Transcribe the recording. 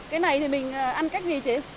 cái này thì mình ăn cách gì chị